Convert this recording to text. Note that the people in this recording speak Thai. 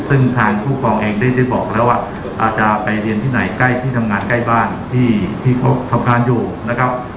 ซึ่งทางผู้ครองเองได้บอกแล้วว่าอาจจะไปเรียนที่ไหนใกล้ที่ทำงานใกล้บ้านที่เขาทำงานอยู่นะครับ